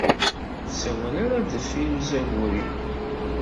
Ur sawal ara ɣer deffir uzagur-iw.